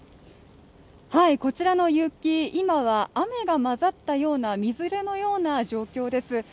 こちらの雪、今は雨が混ざったようなみぞれのような状況です。